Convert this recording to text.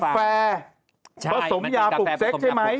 กาแฟมันเป็นกาแฟผสมยาปุกเซ็กท์ใช่ไหม